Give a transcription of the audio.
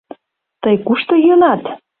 Тый кушто йӱынат?